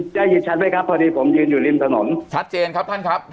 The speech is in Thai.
ได้ยินชัดไหมครับพอดีผมยืนอยู่ริมถนนชัดเจนครับท่านครับ